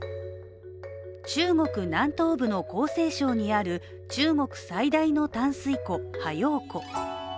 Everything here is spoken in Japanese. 中国南東部の江西省にある中国最大の淡水湖、ハ陽湖。